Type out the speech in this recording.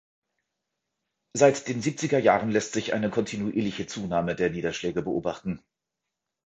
Seit den Siebziger Jahren lässt sich eine kontinuierliche Zunahme der Niederschläge beobachten.